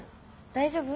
大丈夫？